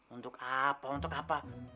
untuk apa untuk apa